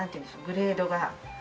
グレードが。